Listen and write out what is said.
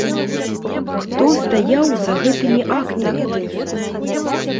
Хто стаяў за гэтымі актамі?